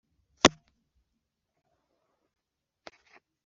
Umwana rwose amfate nk’umwami